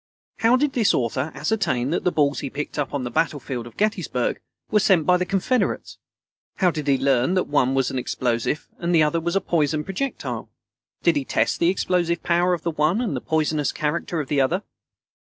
How did this author ascertain that the balls he picked up on the battlefield of Gettysburg were sent by the Confederates? How did he learn that one was an explosive and the other a poisoned projectile? Did he test the explosive power of the one and the poisonous character of the other?